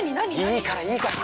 いいからいいから！